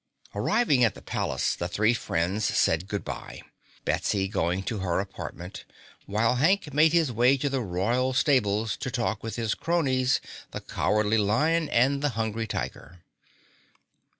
Arriving at the palace, the three friends said good bye, Betsy going to her apartment, while Hank made his way to the Royal Stables to talk with his cronies, the Cowardly Lion and the Hungry Tiger.